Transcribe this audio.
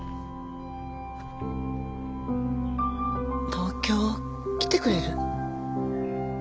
東京来てくれる？